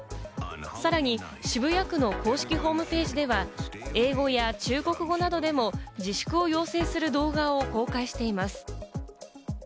さらに渋谷区の公式ホームページでは英語や中国語などでも、自粛を要請する動画を公開しています。